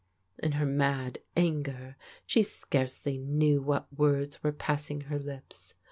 In her mad anger she scarcely knew what words were pass^ ing her lips.